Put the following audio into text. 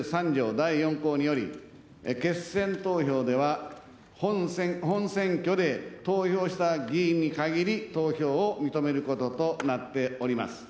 第４項により、決選投票では本選挙で投票した議員に限り、投票を認めることとなっております。